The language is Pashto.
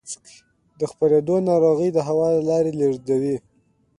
د خپرېدو ناروغۍ د هوا له لارې لېږدېږي.